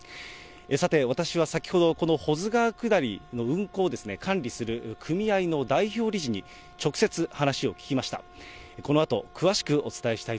さて、私は先ほど、この保津川下りの運航を管理する組合の代表理事に、こんにちは。